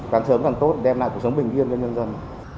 càng sớm càng tốt đem lại cuộc sống bình yên cho nhân dân